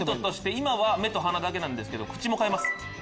今は目と鼻だけですけど口も替えます。